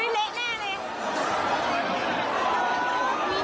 เป็นเป้นอะไรเนี่ย